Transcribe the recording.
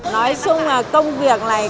nói chung là công việc này